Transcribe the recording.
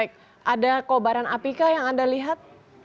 baik ada kobaran api kah yang anda lihat